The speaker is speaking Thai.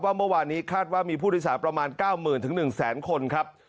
ว่าเมื่อวานี้คาดว่ามีผู้ทฤษฐานประมาณ๙๐๐๐๐๑๐๐๐๐๐คนครับ